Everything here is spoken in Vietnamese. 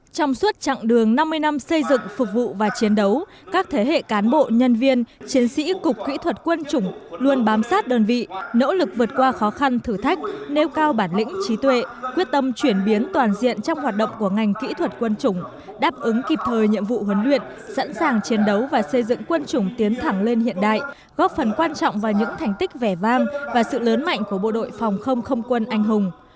trong suốt chặng đường năm mươi năm xây dựng phục vụ và chiến đấu các thế hệ cán bộ nhân viên chiến sĩ cục kỹ thuật quân chủng luôn bám sát đơn vị nỗ lực vượt qua khó khăn thử thách nêu cao bản lĩnh trí tuệ quyết tâm chuyển biến toàn diện trong hoạt động của ngành kỹ thuật quân chủng đáp ứng kịp thời nhiệm vụ huấn luyện sẵn sàng chiến đấu và xây dựng quân chủng tiến thẳng lên hiện đại góp phần quan trọng vào những thành tích vẻ vang và sự lớn mạnh của bộ đội phòng không không quân anh hùng